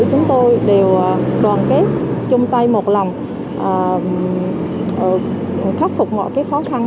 chúng tôi đều đoàn kết chung tay một lòng khắc phục mọi khó khăn đó và luôn chia sẻ yêu thương chung